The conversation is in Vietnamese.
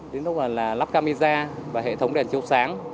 đến lúc là lắp camisa và hệ thống đèn chiếu sáng